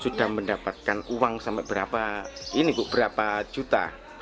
sudah mendapatkan uang sampai berapa ini bu berapa juta